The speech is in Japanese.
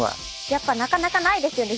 やっぱなかなかないですよね。